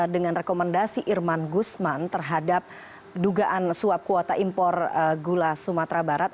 dengan rekomendasi irman gusman terhadap dugaan suap kuota impor gula sumatera barat